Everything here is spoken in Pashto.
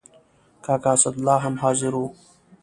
کاکا اسدالله هم حاضر و.